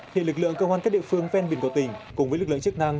hiện lực lượng công an các địa phương ven biển của tỉnh cùng với lực lượng chức năng